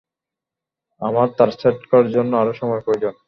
আমার তার সেট করার জন্য আরো সময় প্রয়োজন।